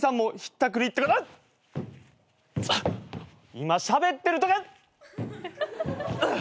今しゃべってるとこうっ！